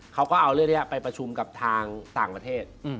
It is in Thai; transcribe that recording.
เขาก็เอาเรื่องนี้ไปประชุมกับทางต่างประเทศ